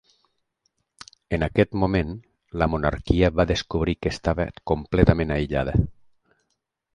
En aquest moment, la monarquia va descobrir que estava completament aïllada.